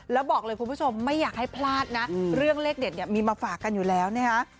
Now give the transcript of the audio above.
แล้วบอกเลยคุณผู้ชมไม่อยากให้พลาดนะเรื่องเลขเด็ดเนี่ยมีมาฝากกันอยู่แล้วนะฮะ